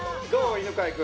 犬飼君。